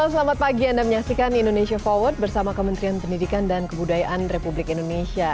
halo selamat pagi anda menyaksikan indonesia forward bersama kementerian pendidikan dan kebudayaan republik indonesia